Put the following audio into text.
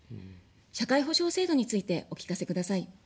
社会保障制度についてお聞かせください。